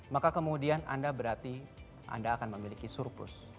maka kemudian anda berarti anda akan memiliki surplus